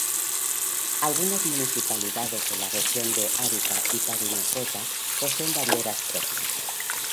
Algunas municipalidades de la Región de Arica y Parinacota poseen banderas propias.